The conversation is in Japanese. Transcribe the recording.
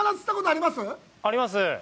あります。